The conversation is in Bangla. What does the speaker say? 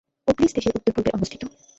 ওবলিস দেশের উত্তর-পূর্বে অবস্থিত।